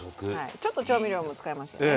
ちょっと調味料も使いますけどね。